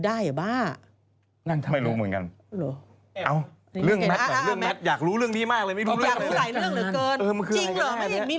ไม่แน่ใจอันเนี้ย